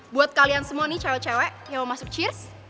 buat kalian semua nih cewek cewek yang mau masuk cheers